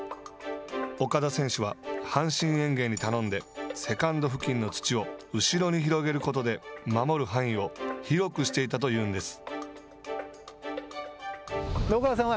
岡田選手は阪神園芸に頼んでセカンド付近の土を後ろに広げることで守る範囲を広くしていたというんです。